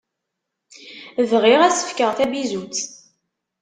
Bɣiɣ ad s-fkeɣ tabizutt.